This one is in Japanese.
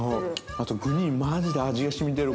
◆あと、具にマジで味が染みてる。